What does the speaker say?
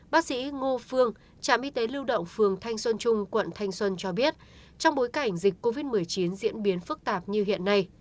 bác sĩ ngô phương trạm y tế lưu động phường thanh xuân trung quận thanh xuân cho biết trong bối cảnh dịch covid một mươi chín diễn biến phức tạp như hiện nay